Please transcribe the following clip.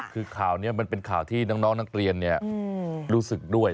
คือข่าวนี้มันเป็นข่าวที่น้องนักเรียนรู้สึกด้วย